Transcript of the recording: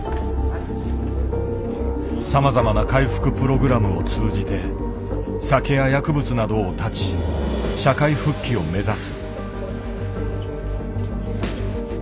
さまざまな回復プログラムを通じて酒や薬物などを断ち社会復帰を目指す。